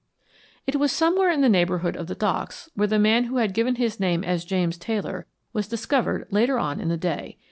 It was somewhere in the neighborhood of the Docks where the man who had given his name as James Taylor was discovered later on in the day.